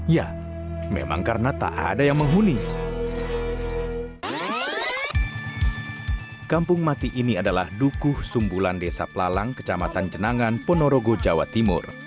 ya memang karena tak ada yang menghuni